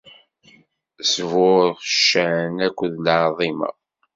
Sburr ccan akked lɛaḍima!